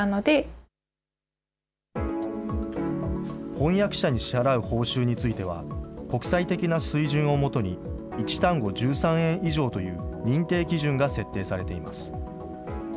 翻訳者に支払う報酬については、国際的な水準をもとに１単語１３円以上という認定基準が設定されています。